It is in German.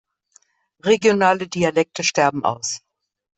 Regionale Dialekte sterben aus.